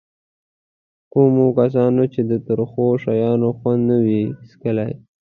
کومو کسانو چې د ترخو شیانو خوند نه وي څکلی.